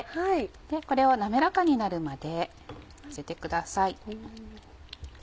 これを滑らかになるまで混ぜてください。